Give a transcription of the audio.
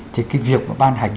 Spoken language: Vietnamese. thì cái việc nó ban hành